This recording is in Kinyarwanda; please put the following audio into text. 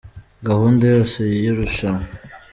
Gahunda yose y’irushanwa